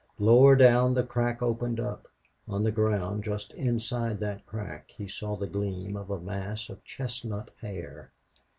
Lower down the crack opened up. On the ground, just inside that crack he saw the gleam of a mass of chestnut hair.